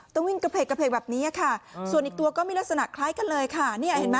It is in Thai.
ต้องวิ่งกระเพ็กกระเพ็กแบบนี้ค่ะส่วนอีกตัวก็ไม่ลักษณะคล้ายกันเลยค่ะ